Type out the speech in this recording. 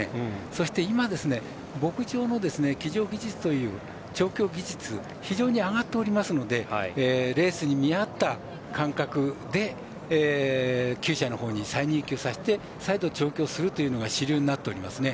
そして、今、牧場の騎乗技術調教技術は非常に上がっておりますのでレースに見合った間隔できゅう舎のほうに再入きゅうして再度、調教するというのが主流になっておりますね。